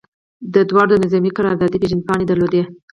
دواړو د نظامي قراردادي پیژندپاڼې درلودې